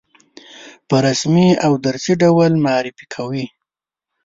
په رسمي او درسي ډول معرفي کوي.